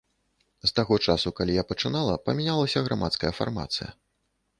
З таго часу, калі я пачынала, памянялася грамадская фармацыя.